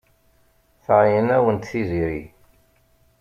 Tɛeyyen-awent Tiziri.